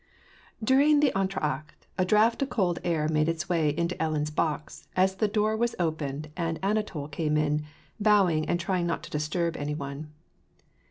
During the entr'acte a drauglit of cold air made its way into Ellen's box, as the door was opened and Anatol came in, bow ing and trying not to disturb any one.